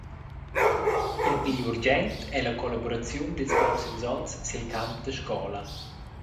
Il pli urgent ei la collaboraziun dils proxims onns sil camp da scola.